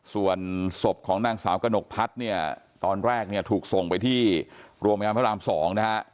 ส่วนศพของนางสาวกระหนกพัดเนี่ยตอนแรกถูกส่งไปที่รวมยามพระอำสองนะฮะ